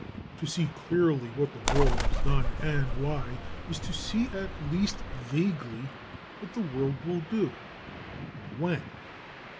To see clearly what the world has done, and why, is to see at least vaguely what the world will do, and when.